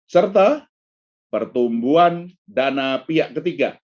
serta pertumbuhan dana pihak ketiga